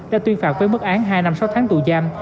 đã tuyên phạt với mức án hai năm sáu tháng tù giam